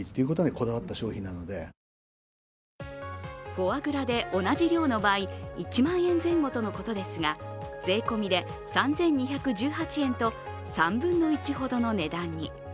フォアグラで同じ量の場合１万円前後とのことですが、税込みで３２１８円と３分の１ほどの値段に。